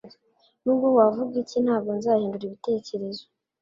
Nubwo wavuga iki ntabwo nzahindura ibitekerezo